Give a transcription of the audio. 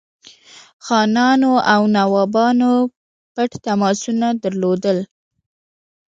خانانو او نوابانو پټ تماسونه درلودل.